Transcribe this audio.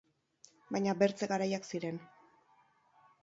Baina bertze garaiak ziren.